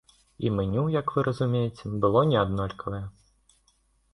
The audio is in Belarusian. І меню, як вы разумееце, было не аднолькавае.